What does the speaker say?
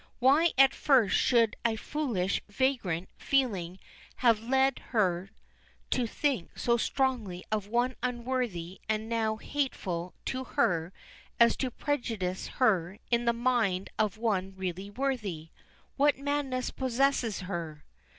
Why at first should a foolish, vagrant feeling have led her to think so strongly of one unworthy and now hateful to her as to prejudice her in the mind of the one really worthy. What madness possessed her?